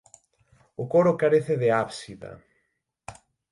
O coro carece de ábsida.